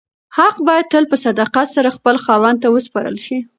حق باید تل په صداقت سره خپل خاوند ته وسپارل شي.